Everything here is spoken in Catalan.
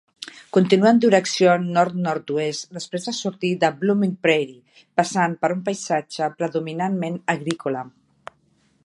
Continua en direcció nord-nord-oest després de sortir de Blooming Prairie, passant per un paisatge predominantment agrícola.